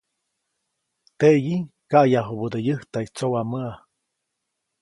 Teʼyi, kaʼyajubäde yäjtaʼy tsowamäʼa.